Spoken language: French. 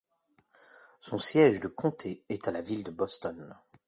Son siège de comté est la ville de Boston.